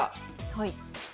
はい。